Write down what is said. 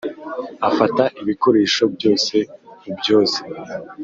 Afata ibikoresho byose ubyoze.